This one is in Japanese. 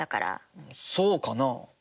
そうかな？